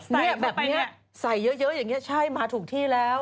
เนี่ยแบบนี้ใส่เยอะอย่างนี้ใช่มาถูกที่แล้ว